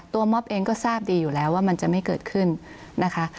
มอบเองก็ทราบดีอยู่แล้วว่ามันจะไม่เกิดขึ้นนะคะ